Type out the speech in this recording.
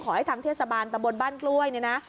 ขอให้ทางเทศบาลตะบนบ้านกล้วยนี่นะ